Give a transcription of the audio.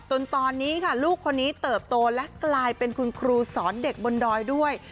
จนตอนนี้ค่ะลูกคนนี้เติบโตและกลายเป็นคุณครูสอนเด็กบนดอยด้วย